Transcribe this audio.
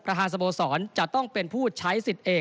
ประธานสโบสรจะต้องเป็นผู้ใช้สิทธิ์เอง